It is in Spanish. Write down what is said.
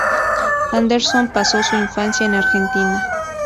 Anderson pasó su infancia en Argentina.